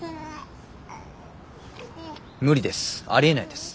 無理ですありえないです。